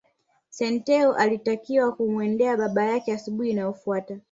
Senteu alitakiwa kumwendea baba yake asubuhi inayofuata